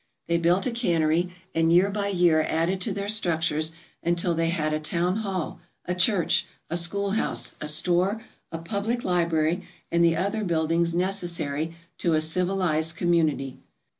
They built a cannery, an$ year by year added to their structures until they had a town hall, a church, a schoolhouse, a store, a public library, and the other buildings necessary to a civilized community.